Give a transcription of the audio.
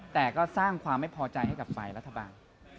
แต่ก็สร้างความไม่พอใจให้กับฝ่ายรัฐบาล